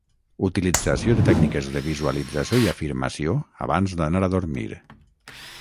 utilització de tècniques de visualització i afirmació abans d'anar a dormir